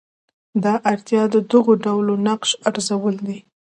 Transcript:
دا اړتیا د دغو ډلو نقش ارزول دي.